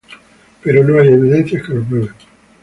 Pero no hay evidencias que lo prueben.